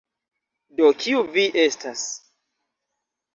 Do kiu vi estas?